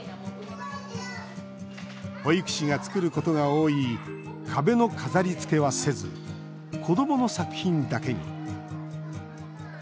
保育士が作ることが多い壁の飾りつけはせず子どもの作品だけに。